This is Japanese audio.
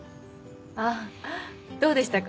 あぁどうでしたか？